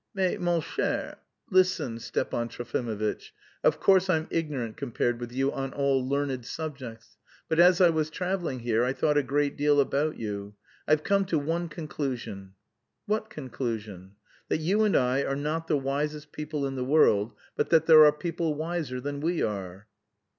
"Mais, ma chère..." "Listen, Stepan Trofimovitch, of course I'm ignorant compared with you on all learned subjects, but as I was travelling here I thought a great deal about you. I've come to one conclusion." "What conclusion?" "That you and I are not the wisest people in the world, but that there are people wiser than we are."